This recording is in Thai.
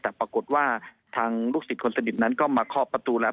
แต่ปรากฏว่าทางลูกศิษย์คนสนิทนั้นก็มาเคาะประตูแล้ว